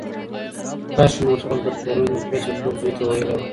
کاشکي ما خپل د پرون ورځې خوب زوی ته ویلی وای.